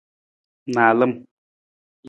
Naalam.